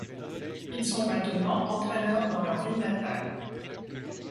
Ils sont maintenant entraîneurs dans leur ville natale.